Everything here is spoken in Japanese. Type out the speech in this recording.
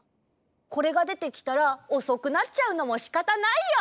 これがでてきたらおそくなっちゃうのもしかたないよ。